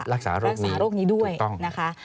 รักษาโรคนี้ด้วยนะคะ